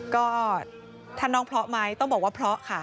ก็ถ้าน้องเพราะไหมต้องบอกว่าเพราะค่ะ